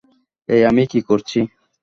এ আমি কী করছি?